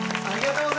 ありがとう！